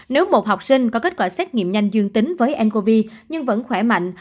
nếu một học sinh có kết quả xét nghiệm nhanh dương tính với ncov nhưng vẫn khỏe mạnh